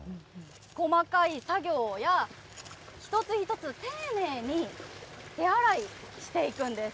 細かい作業や、一つ一つ丁寧に手洗いしていくんです。